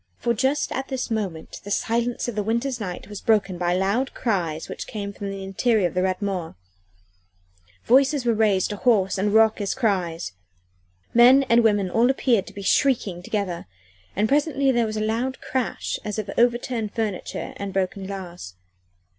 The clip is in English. For just at this moment the silence of the winter's night was broken by loud cries which came from the interior of the Rat Mort voices were raised to hoarse and raucous cries men and women all appeared to be shrieking together, and presently there was a loud crash as of overturned furniture and broken glass.